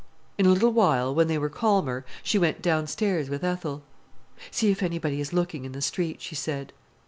In a little while, when they were calmer, she went downstairs with Ethel. "See if anybody is looking in the street," she said.